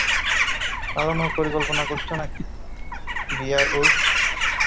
পালানোর পরিকল্পনা করছ নাকি, বিয়ার-উলফ?